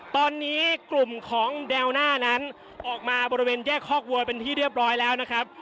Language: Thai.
ตอนนี้กลุ่มของแนวหน้านั้นออกมาบริเวณแยกคอกวัวเป็นที่เรียบร้อยแล้วนะครับ